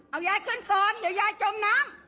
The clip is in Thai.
เอายายขึ้นก่อนเดี๋ยวยายจมน้ำ